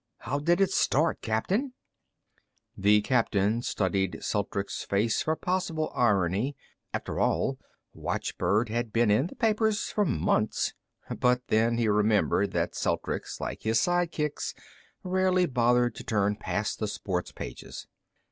How did it start, Captain?" The captain studied Celtrics' face for possible irony; after all, watchbird had been in the papers for months. But then he remembered that Celtrics, like his sidekicks, rarely bothered to turn past the sports pages.